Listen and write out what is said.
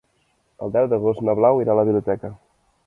El deu d'agost na Blau irà a la biblioteca.